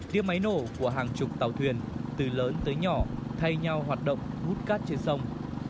tiếp máy nổ của hàng chục tàu thuyền từ lớn tới nhỏ thay nhau hoạt động hút cát trên sông